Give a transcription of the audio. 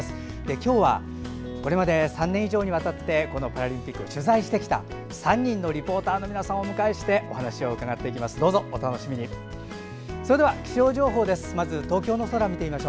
今日はこれまで３年以上にわたってこのパラリンピックを取材してきた３人のリポーターの皆さんをお迎えしてお伝えします。